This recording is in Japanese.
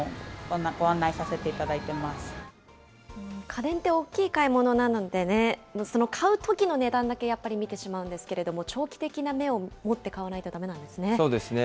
家電って大きい買い物なので、その買うときの値段だけ、やっぱり見てしまうんですけれども、長期的な目を持って買わないとだめなんですね。